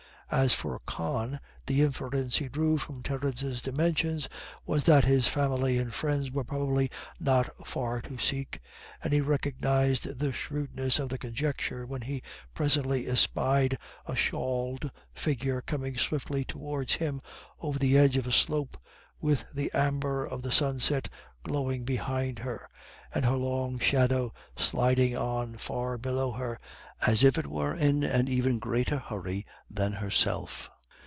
As for Con, the inference he drew from Terence's dimensions was that his family and friends were probably not far to seek; and he recognised the shrewdness of the conjecture when he presently espied a shawled figure coming swiftly towards him over the edge of a slope, with the amber of the sunset glowing behind her, and her long shadow sliding on far below her, as if it were in an even greater hurry than herself.